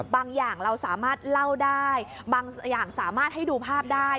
อย่างเราสามารถเล่าได้บางอย่างสามารถให้ดูภาพได้